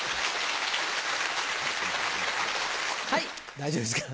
大丈夫ですか？